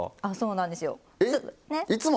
あそうなんですよ。え？